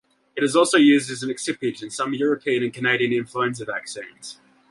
It is also used as an excipient in some European and Canadian influenza vaccines.